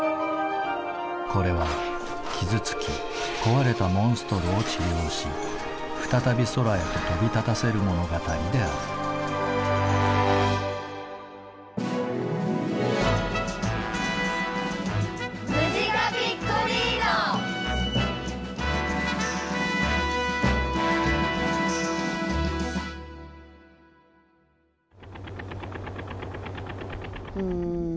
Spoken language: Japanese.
これは傷つき壊れたモンストロを治療し再び空へと飛び立たせる物語であるうん